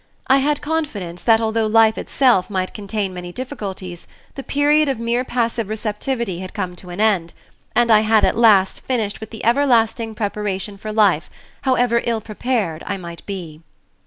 I had confidence that although life itself might contain many difficulties, the period of mere passive receptivity had come to an end, and I had at last finished with the ever lasting "preparation for life," however ill prepared I might be.